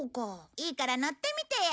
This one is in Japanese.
いいから乗ってみてよ！